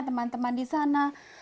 teman teman di sana